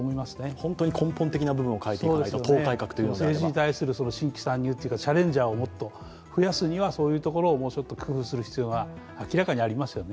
本当に根本的な部分を変えていかないと、政治は政治に対する新規参入というか、チャレンジャーを増やすにはそういうところをもうちょっと工夫する必要が明らかにありますよね。